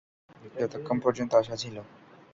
যতক্ষণ পর্যন্ত আশা ছিল।